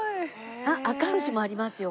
あっあか牛もありますよほら。